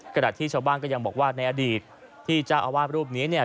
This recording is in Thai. ขณะที่ชาวบ้านก็ยังบอกว่าในอดีตที่เจ้าอาวาสรูปนี้เนี่ย